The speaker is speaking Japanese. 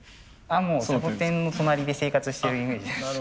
もうサボテンの隣で生活してるイメージです。